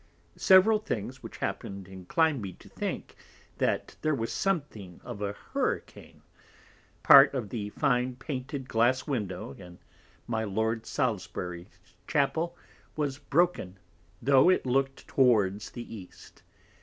Several Things which happened, incline me to think that there was something of an Hurricane. Part of the fine painted Glass window in my Lord Salisbury's Chapel was broken, tho' it looked towards the East.